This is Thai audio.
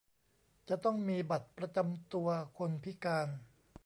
จะต้องมีบัตรประจำตัวคนพิการ